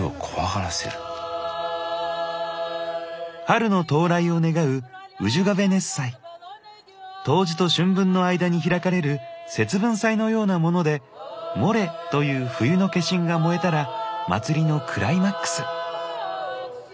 春の到来を願う冬至と春分の間に開かれる節分祭のようなもので「モレ」という冬の化身が燃えたら祭りのクライマックス。